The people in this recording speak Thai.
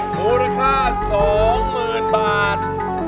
มูลค่าสองหมื่นบาท